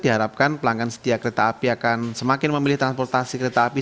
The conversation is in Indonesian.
diharapkan pelanggan setia kereta api akan semakin memilih transportasi kereta api